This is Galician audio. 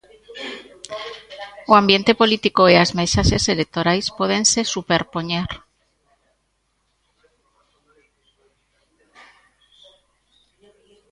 O ambiente político e as mensaxes electorais pódense superpoñer.